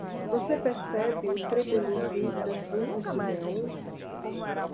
Você percebe o tremeluzir das luzes de néon?